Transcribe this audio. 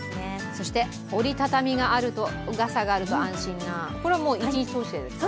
そして、折り畳み傘があると安心、これは一日通してですか？